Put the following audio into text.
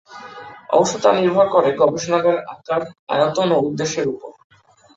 অবশ্য তা নির্ভর করে গবেষণাগারের আকার, আয়তন ও উদ্দেশ্যের উপর।